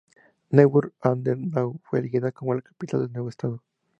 Neuburg an der Donau fue elegida como la capital del nuevo estado.